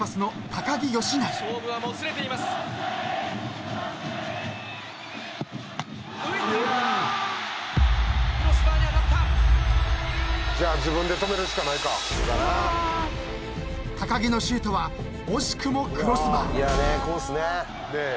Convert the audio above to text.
［高木のシュートは惜しくもクロスバー］